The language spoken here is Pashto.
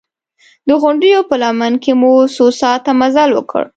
د غونډیو په لمن کې مو څو ساعته مزل وکړ.